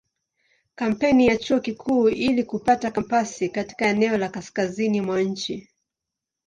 Kampeni ya Chuo Kikuu ili kupata kampasi katika eneo la kaskazini mwa nchi.